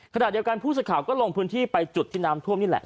ขณะเดียวกันผู้สื่อข่าวก็ลงพื้นที่ไปจุดที่น้ำท่วมนี่แหละ